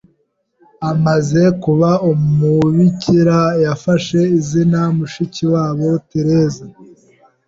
Amaze kuba umubikira, yafashe izina Mushikiwabo Teresa.